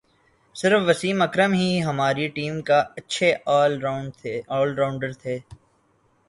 صرف وسیم اکرم ہی ہماری ٹیم کے اچھے آل راؤنڈر تھے